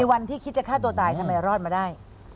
วันที่คิดจะฆ่าตัวตายทำไมรอดมาได้